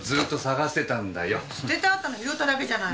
捨ててあったのを拾っただけじゃない。